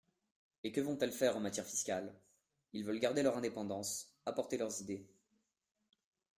Et que vont-elles faire en matière fiscale ? Ils veulent garder leur indépendance, apporter leurs idées.